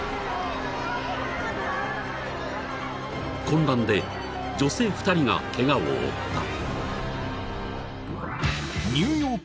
［混乱で女性２人がケガを負った］